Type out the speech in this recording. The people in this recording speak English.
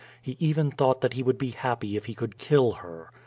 He even thought that he would be happy if he could kill her.